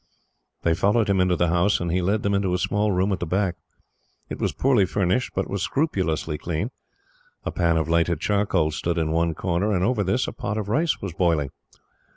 They followed him into the house, and he led them into a small room at the back. It was poorly furnished, but was scrupulously clean. A pan of lighted charcoal stood in one corner, and over this a pot of rice was boiling.